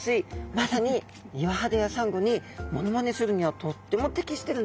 まさに岩肌やサンゴにモノマネするにはとっても適してるんですね。